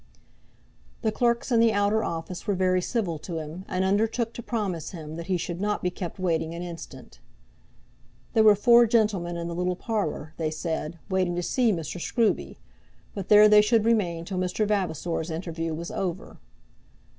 The clerks in the outer office were very civil to him, and undertook to promise him that he should not be kept waiting an instant. There were four gentlemen in the little parlour, they said, waiting to see Mr. Scruby, but there they should remain till Mr. Vavasor's interview was over.